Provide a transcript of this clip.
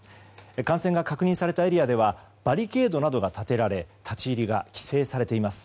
感染が確認されたエリアではバリケードなどが建てられ立ち入りが規制されています。